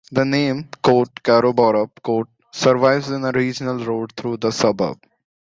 The name "Karoborup" survives in a regional road through the suburb.